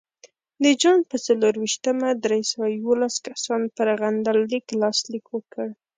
د جون په څلرویشتمه درې سوه یوولس کسانو پر غندنلیک لاسلیک وکړ.